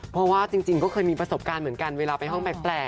เพราะว่าจริงก็เคยมีประสบการณ์เหมือนกันเวลาไปห้องแปลก